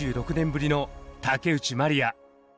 ２６年ぶりの竹内まりや。